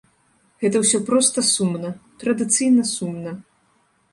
Гэта ўсё проста сумна, традыцыйна сумна.